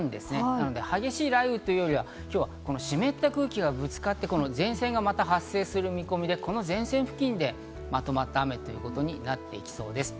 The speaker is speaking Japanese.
なので激しい雷雨というよりは、今日は、この湿った空気がぶつかって、前線がまた発生する見込みで、この前線付近でまとまった雨ということになっていきそうです。